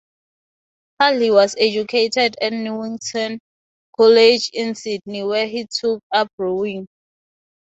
Hardy was educated at Newington College in Sydney where he took up rowing.